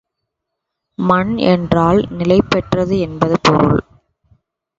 மன் என்றால் நிலைபெற்றது என்பது பொருள்.